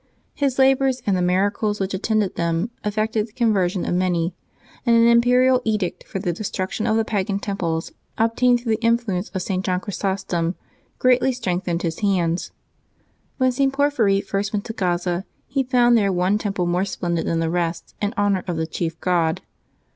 His labors and the miracles which at tended them effected the conversion of many; and an imperial edict for the destruction of the pagan temples, obtained through the influence of St. John Chrysostom, greatly strengthened his hands. ^Yhen .St. Porphyry first went to Gaza, he found there one temple more splendid than the rest, in honor of the chief god.